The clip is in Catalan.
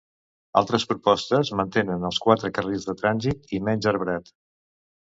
Altres propostes mantenen els quatre carrils de trànsit i menys arbrat.